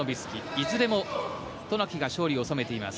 いずれも渡名喜が勝利を収めています。